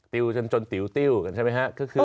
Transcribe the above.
ติวจนติวกันใช่ไหมฮะ